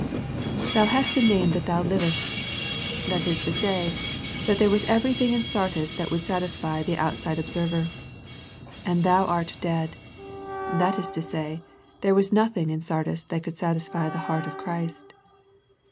^" Thou hast a name that thou livest." That is to say, that there was everything in Sardis that would satisfy the outside observer. " And thou art dead." That is to say, there was noth ing iu Sardis that could satisfy the heart of Christ.